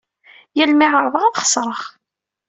Yal mi ɛerḍeɣ ad xesreɣ.